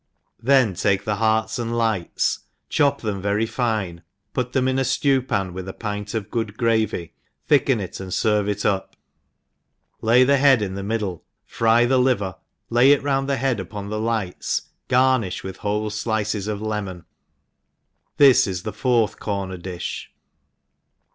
Then take the hearts and lights, chop them very fine, put them in a flew pan with a pint of good gravy, thicken it and ferve it up i lay the head in the middle, fry the liver, lay it round the bead upon the lights, garnifh with whole flices of \tvaon. ^—^bis is the fourth corner dijh.